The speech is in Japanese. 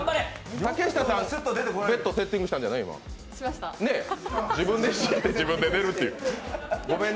竹下さん、ベッドセッティングしたんだよね？